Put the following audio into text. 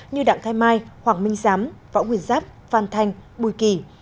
như đặng thái mai hoàng minh giám võ nguyên giáp phan thanh bùi kỳ